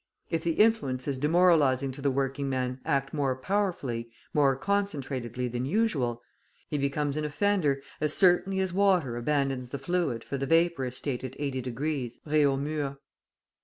If the influences demoralising to the working man act more powerfully, more concentratedly than usual, he becomes an offender as certainly as water abandons the fluid for the vaporous state at 80 degrees, Reaumur.